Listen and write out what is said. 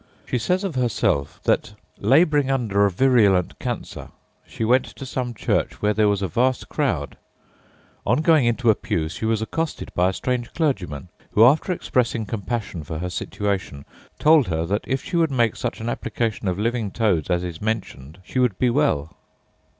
She says of herself 'that, labouring under a virulent cancer, she went to some church where there was a vast crowd: on going into a pew, she was accosted by a strange clergyman; who, after expressing compassion for her situation, told her chat if she would make such an application of living toads as is mentioned she would be well.